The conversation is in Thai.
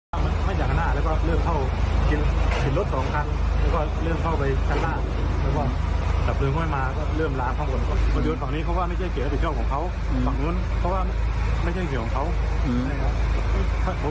ผมบวกขนาดผมบอกว่ามีคนติดในบ้านมีเสียงเขาก็ยังเหนื่อยแหละ